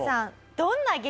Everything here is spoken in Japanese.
どんな激